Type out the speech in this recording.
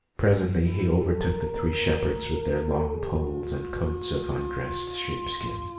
Presently he overtook the three shepherds with their long poles and coats of undressed sheep skin.